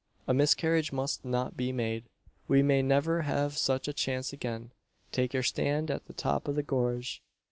A miscarriage must not be made. We may never have such a chance again. Take your stand at the top of the gorge.